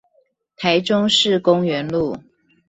台中市公園路